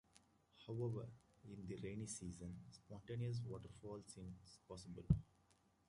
However, in the rainy season, spontaneous water flow is possible.